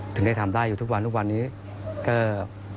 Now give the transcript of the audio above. ถึงได้ทำได้อยู่ทุกวันทุกวันนี้ก็